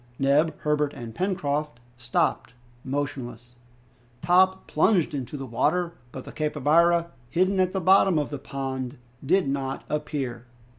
Neb, Herbert, and Pencroft stopped, motionless. Top plunged into the water, but the capybara, hidden at the bottom of the pond, did not appear.